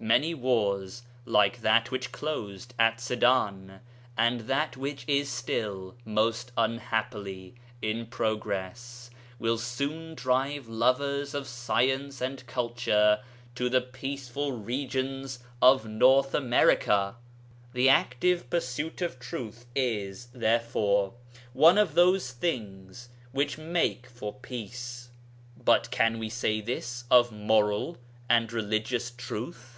Many wars like that which closed at Sedan and that which is still, most unhappily, in progress will soon drive lovers of science and culture to the peaceful regions of North America! The active pursuit of truth is, therefore, one of those things which make for peace. But can we say this of moral and religious truth?